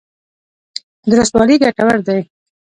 درستوالی ګټور دی.